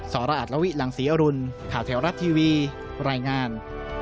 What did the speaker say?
สรอัตลวิหลังศรีอรุณข่าวแถวรัฐทีวีรายงาน